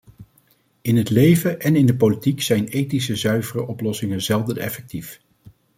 In het leven en in de politiek zijn ethisch zuivere oplossingen zelden effectief.